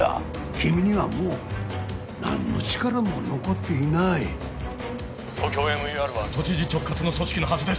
君にはもう何の力も残っていないＴＯＫＹＯＭＥＲは都知事直轄の組織のはずです！